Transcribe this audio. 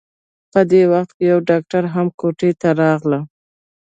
په دې وخت کې يوه ډاکټره هم کوټې ته راغله.